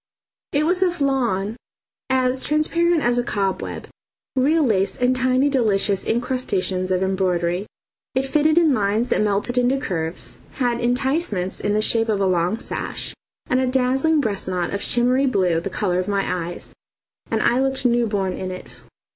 It was of lawn as transparent as a cobweb, real lace and tiny delicious incrustations of embroidery. It fitted in lines that melted into curves, had enticements in the shape of a long sash and a dazzling breast knot of shimmery blue, the colour of my eyes, and I looked new born in it.